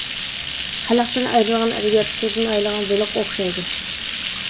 خەلقتىن ئايرىلغان ئەدەبىيات سۇدىن ئايرىلغان بېلىققا ئوخشايدۇ.